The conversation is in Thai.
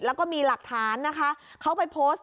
แล้วก็มีหลักฐานนะคะเขาไปเข้าเดอร์